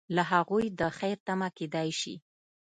له هغوی د خیر تمه کیدای شي.